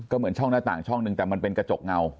ก็เหมือนช่องหน้าต่างช่องหนึ่งแต่มันเป็นกระจกเงา